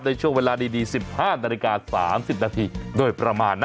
ในช่วงเวลาดี๑๕นาฬิกา๓๐นาทีโดยประมาณนะ